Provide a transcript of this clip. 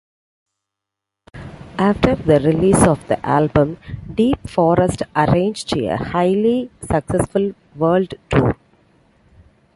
After the release of the album Deep Forest arranged a highly successful world tour.